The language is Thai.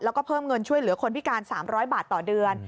แล้วก็เพิ่มเงินช่วยเหลือคนพิการ๓๐๐บาทต่อเดือน